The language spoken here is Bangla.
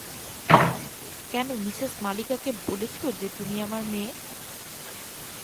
কেন মিসেস মালিকাকে বলেছ যে তুমি আমার মেয়ে?